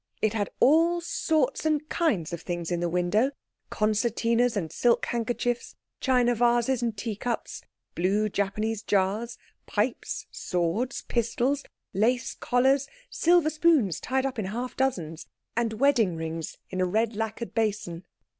It had all sorts and kinds of things in the window—concertinas, and silk handkerchiefs, china vases and tea cups, blue Japanese jars, pipes, swords, pistols, lace collars, silver spoons tied up in half dozens, and wedding rings in a red lacquered basin.